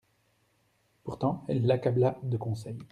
Pourtant, elle l'accabla de conseils.